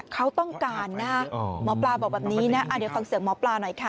เขาต้องการนะหมอปลาบอกแบบนี้นะเดี๋ยวฟังเสียงหมอปลาหน่อยค่ะ